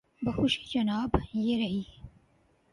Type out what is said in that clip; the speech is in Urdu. بخوشی جناب، یہ رہی۔